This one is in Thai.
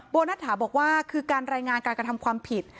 นัทถาบอกว่าคือการรายงานการกระทำความผิด